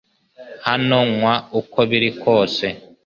Hano, nywa uko biri kose